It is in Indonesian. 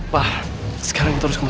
pak sekarang kita harus ke rumah